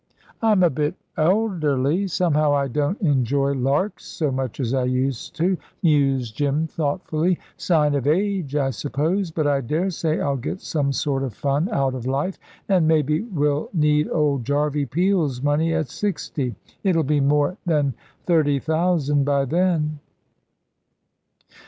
"I'm a bit elderly. Somehow I don't enjoy larks so much as I used to," mused Jim, thoughtfully "sign of age, I suppose. But I daresay I'll get some sort of fun out of life, an' maybe will need old Jarvey Peel's money at sixty. It'll be more than thirty thousand by then."